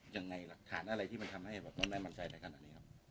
ยังไงล่ะฐานอะไรที่มันทำให้แม่มั่นใจในการอันนี้ครับ